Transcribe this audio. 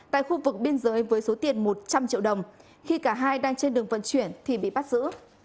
tại khu vực biên giới với số tiền một trăm linh triệu đồng khi cả hai đang trên đường vận chuyển thì bị bắt giữ